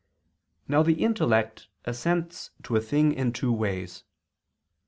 Now the intellect assents to a thing in two ways.